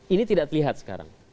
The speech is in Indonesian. ini tidak terlihat sekarang